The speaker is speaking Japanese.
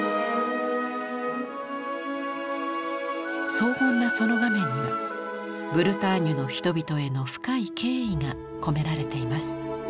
荘厳なその画面にはブルターニュの人々への深い敬意が込められています。